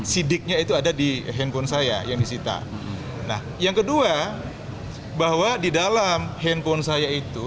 sidiknya itu ada di handphone saya yang disita nah yang kedua bahwa di dalam handphone saya itu